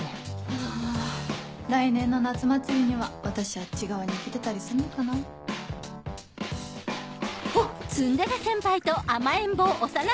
あぁ来年の夏祭りには私あっち側に行けてたりすんのかな。あっ！